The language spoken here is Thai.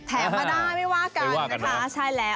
มาได้ไม่ว่ากันนะคะใช่แล้ว